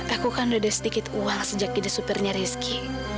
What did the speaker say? aku kan udah ada sedikit uang sejak jadi supernya rizky